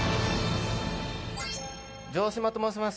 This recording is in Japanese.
城島と申します。